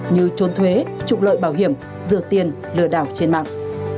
như trốn thuế trục lợi bảo hiểm rửa tiền lừa đảo trên mạng